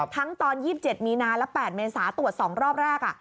ตอน๒๗มีนาและ๘เมษาตรวจ๒รอบแรก